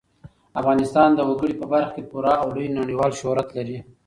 افغانستان د وګړي په برخه کې پوره او لوی نړیوال شهرت لري.